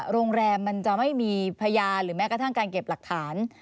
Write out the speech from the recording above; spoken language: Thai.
มันจะไม่มีพยานหรือแม้กระทั่งการเก็บหลักฐาน